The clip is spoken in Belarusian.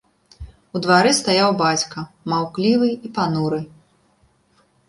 У двары стаяў бацька, маўклівы і пануры.